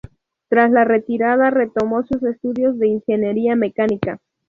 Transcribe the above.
Tras la retirada retomó sus estudios de ingeniería mecánica.